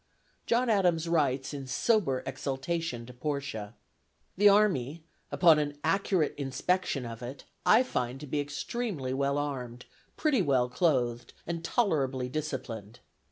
John Adams writes in sober exultation to Portia: "The army, upon an accurate inspection of it, I find to be extremely well armed, pretty well clothed, and tolerably disciplined.